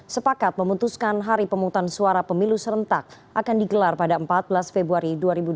sepakat memutuskan hari pemungutan suara pemilu serentak akan digelar pada empat belas februari dua ribu dua puluh